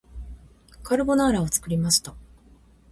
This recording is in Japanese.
カルボナーラを作りました